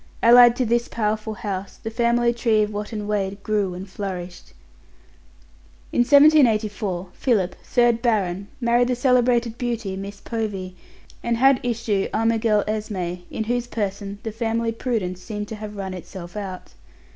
Allied to this powerful house, the family tree of Wotton Wade grew and flourished. In 1784, Philip, third Baron, married the celebrated beauty, Miss Povey, and had issue Armigell Esme, in whose person the family prudence seemed to have run itself out.